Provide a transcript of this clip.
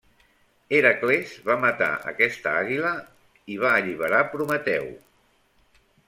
Hèracles va matar aquesta àguila i va alliberar Prometeu.